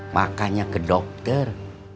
makanya ke dokter